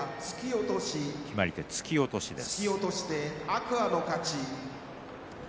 決まり手、突き落としです。